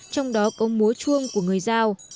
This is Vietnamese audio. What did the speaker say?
trong đó có múa chuông của người giao